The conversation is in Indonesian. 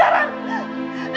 apa yang harus aku lakukan bu